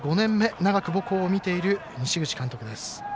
長く母校を見ている西口監督です。